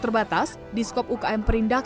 terima kasih weg briefly